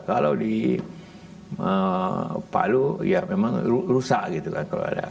kalau di palu ya memang rusak gitu kan